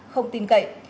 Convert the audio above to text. không tin cậy